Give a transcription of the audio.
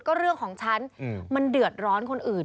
ก็เรื่องของฉันมันเดือดร้อนคนอื่น